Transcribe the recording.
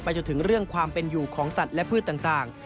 จนถึงเรื่องความเป็นอยู่ของสัตว์และพืชต่าง